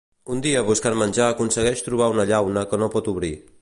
Un dia buscant menjar aconsegueix trobar una llauna que no pot obrir.